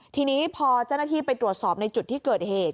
ทีนี้พอเจ้าหน้าที่ไปตรวจสอบในจุดที่เกิดเหตุ